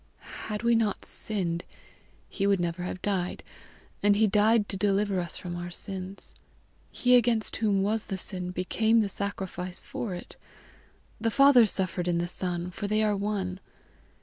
"Had we not sinned he would never have died; and he died to deliver us from our sins. He against whom was the sin, became the sacrifice for it; the Father suffered in the Son, for they are one.